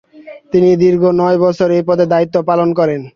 তিনি দীর্ঘ নয় বছর এ পদে দায়িত্ব পালন করেন।